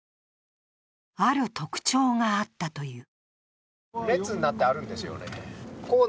ある特徴があったという。